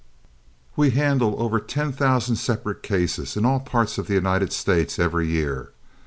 We handle over ten thousand separate cases in all parts of the United States every year.